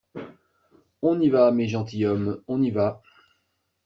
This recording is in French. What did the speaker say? On y va, mes gentilshommes, on y va.